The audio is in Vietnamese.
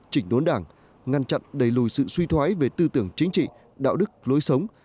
chỉnh đốn đảng ngăn chặn đẩy lùi sự suy thoái về tư tưởng chính trị đạo đức lối sống